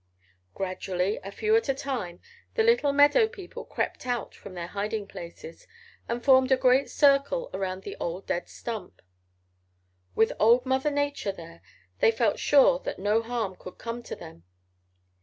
"Gradually, a few at a time, the little meadow people crept out from their hiding places and formed a great circle around the old dead stump. With old Mother Nature there they felt sure that no harm could come to them.